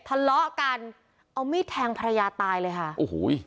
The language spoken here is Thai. ทะเลาะกันเอามีดแทงภรรยาตายเลยค่ะโอ้โห